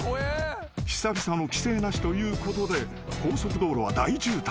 ［久々の規制なしということで高速道路は大渋滞。